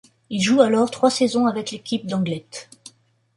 Il joue alors trois saisons avec l'équipe d'Anglet.